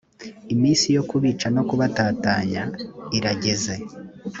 iminsi yo kubica no kubatatanya irageze.